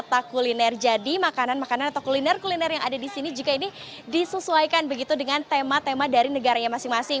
wisata kuliner jadi makanan makanan atau kuliner kuliner yang ada di sini jika ini disesuaikan begitu dengan tema tema dari negaranya masing masing